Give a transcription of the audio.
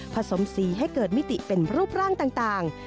สมสีให้เกิดมิติเป็นรูปร่างต่าง